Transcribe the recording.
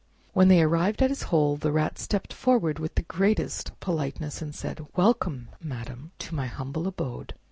When they arrived at his hole, the Rat stepped forward with the greatest politeness, and said, "Welcome, madam, to my humble abode!